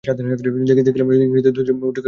দেখিলাম, ইংরেজীতে মুদ্রিত দুইটি কাগজ বিতরিত হইতেছে।